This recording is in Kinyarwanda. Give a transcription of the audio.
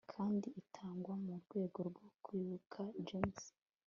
kandi itangwa mu rwego rwo kwibuka james